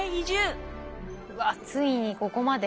うわついにここまで。